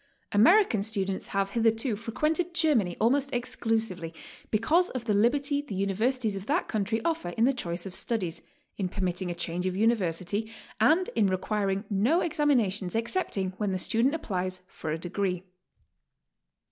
American students have hitherto frequented Germany almost exclusively because of the liberty the universities of that i 62 GOING ABROAD? country offer in the choice of studies, in permitting a change of university, and in requiring no examinations excepting when the student applies for a degree.